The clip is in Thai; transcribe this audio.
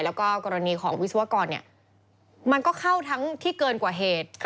แล้วก็กรณีของวิศวกรมันก็เข้าทั้งที่เกินกว่าเหตุ